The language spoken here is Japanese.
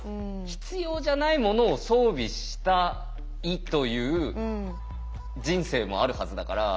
必要じゃないものを装備したいという人生もあるはずだから。